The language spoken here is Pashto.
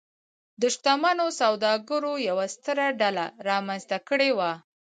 د شتمنو سوداګرو یوه ستره ډله رامنځته کړې وه.